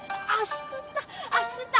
足つった！